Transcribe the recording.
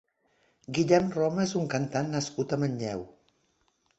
Guillem Roma és un cantant nascut a Manlleu.